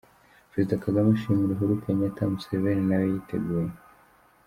Perezida Kagame ashimira Uhuru Kenyatta, Museveni nawe yiteguye.